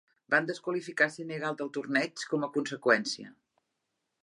Van desqualificar Senegal del torneig com a conseqüència.